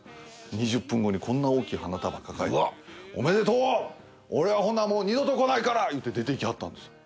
２０分後にこんな大きい花束抱えて「おめでとう！俺はほなもう二度と来ないから」言って出ていきはったんですよ。